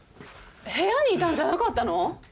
部屋にいたんじゃなかったの？